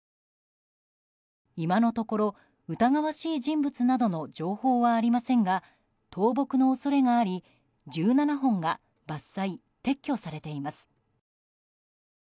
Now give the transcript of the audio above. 今のところ、疑わしい人物などの情報はありませんが倒木の恐れがあり、１７本が伐採・撤去されています。